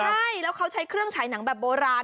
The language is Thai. ใช่แล้วเขาใช้เครื่องฉายหนังแบบโบราณ